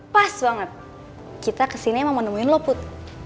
pas banget kita kesini emang mau nemuin lo put